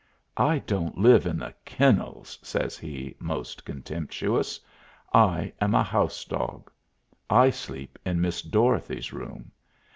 "I don't live in the kennels," says he, most contemptuous. "I am a house dog. I sleep in Miss Dorothy's room.